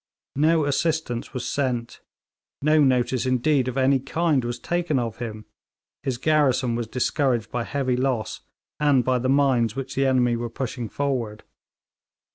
No assistance was sent, no notice, indeed, of any kind was taken of him; his garrison was discouraged by heavy loss, and by the mines which the enemy were pushing forward.